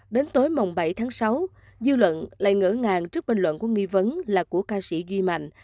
đến tối mồng bảy tháng sáu dư luận lại ngỡ ngàng trước binh luận của nghi vấn là của ca sĩ duy mạnh